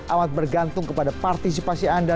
amat bergantung kepada partisipasi anda